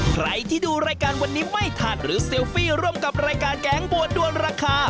ใครที่ดูรายการวันนี้ไม่ทันหรือเซลฟี่ร่วมกับรายการแกงบัวด้วนราคา